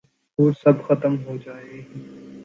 اور سب ختم ہوجائے